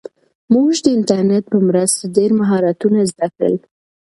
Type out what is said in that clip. موږ د انټرنیټ په مرسته ډېر مهارتونه زده کړل.